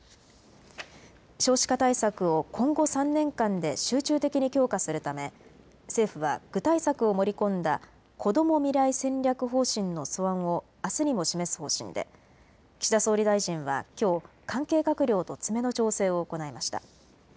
少子化対策を今後３年間で集中的に強化するため政府は具体策を盛り込んだこども未来戦略方針の素案をあすにも示す方針で岸田総理大臣はきょう関係閣僚と詰めの調整を行いました。